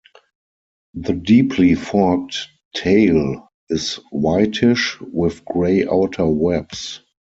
The deeply forked tail is whitish, with grey outer webs.